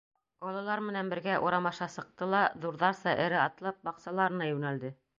Ололар менән бергә урам аша сыҡты ла, ҙурҙарса эре атлап, баҡсаларына юнәлде.